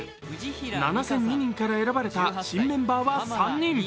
７００２人から選ばれた新メンバーは３人。